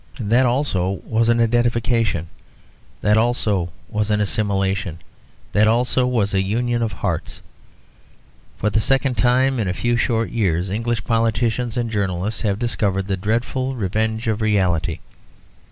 That also was an identification; that also was an assimilation; that also was a union of hearts. For the second time in a few short years, English politicians and journalists have discovered the dreadful revenge of reality.